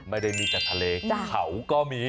ไม่ได้มีแต่ทะเลเขาก็มี